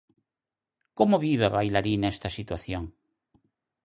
Como vive a bailarina esta situación?